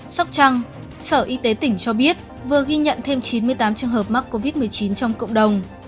sóc trăng sở y tế tỉnh cho biết vừa ghi nhận thêm chín mươi tám trường hợp mắc covid một mươi chín trong cộng đồng